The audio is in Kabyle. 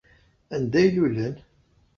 Anda ay lulen?